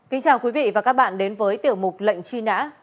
kính chào quý vị và các bạn đến với tiểu mục lệnh truy nã